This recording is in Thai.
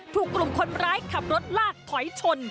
ถูกกลุ่มคนร้ายขับรถลากถอยชน